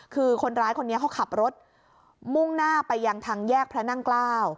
คือคนร้ายคนนี้เขาขับรถมุ่งหน้าไปยังทางแยกพระนั่งเกล้า